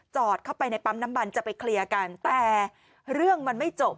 เข้าไปในปั๊มน้ำมันจะไปเคลียร์กันแต่เรื่องมันไม่จบ